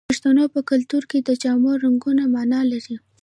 د پښتنو په کلتور کې د جامو رنګونه مانا لري.